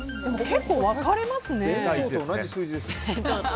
結構分かれますね。